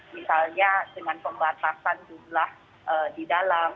misalnya dengan pembatasan jumlah di dalam